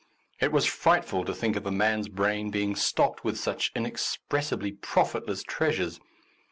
It was frightful to think of a man's brain being stocked with such inexpressibly profit less treasures.